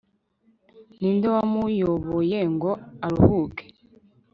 Ninde wamuyoboye ngo aruhuke